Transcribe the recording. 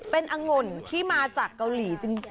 เป็นอังุ่นที่มาจากเกาหลีจริง